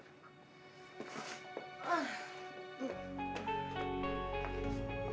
ya kita tidur